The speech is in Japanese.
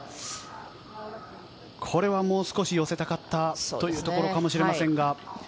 これはもう少し寄せたかったというところかもしれません。